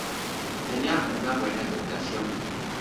Tenía una buena educación.